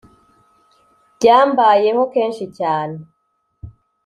Byambayeho kenshi cyane